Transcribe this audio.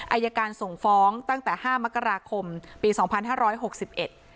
อัยการส่งฟ้องตั้งแต่๕มกราคมปี๒๕๖๑พออ